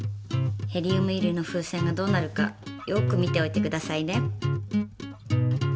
ヘリウム入りの風船がどうなるかよく見ておいてくださいね。